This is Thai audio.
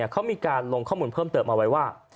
เขามีการลงข้อมูลเพิ่มเติมมาไว้ว่า